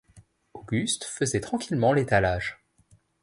Auguste faisait tranquillement l’étalage.